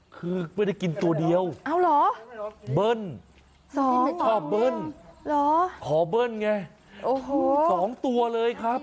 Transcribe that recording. คือไม่ได้กินตัวเดียวเบิ้ลชอบเบิ้ลขอเบิ้ลไงโอ้โห๒ตัวเลยครับ